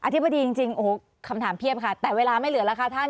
ธิบดีจริงโอ้โหคำถามเพียบค่ะแต่เวลาไม่เหลือแล้วค่ะท่าน